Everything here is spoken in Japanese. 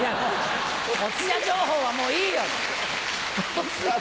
お通夜情報はもういいよ！